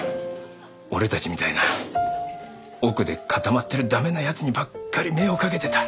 俺たちみたいな奥で固まってる駄目な奴にばっかり目をかけてた。